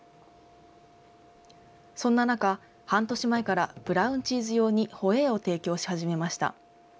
そんな中、半年前からブラウンチーズ用にホエーを提供し始めました。